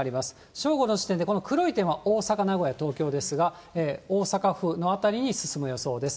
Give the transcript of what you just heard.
正午の時点で、この黒い点は大阪、名古屋、東京ですが、大阪府の辺りに進む予想です。